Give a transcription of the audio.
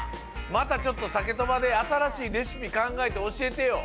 またちょっとサケとばであたらしいレシピかんがえておしえてよ。